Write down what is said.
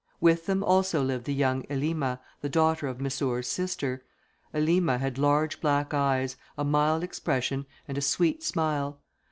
With them also lived the young Elima, the daughter of Missour's sister. Elima had large black eyes, a mild expression, and a sweet smile.